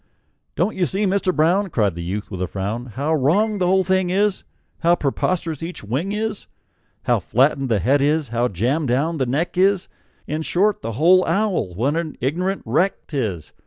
"Don't you see, Mister Brown," Cried the youth, with a frown, "How wrong the whole thing is, How preposterous each wing is, How flattened the head is, how jammed down the neck is In short, the whole owl, what an ignorant wreck 't is!